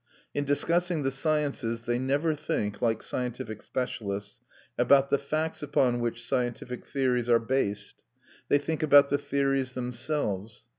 In discussing the sciences, they never think, like scientific specialists, about the facts upon which scientific theories are based; they think about the theories themselves.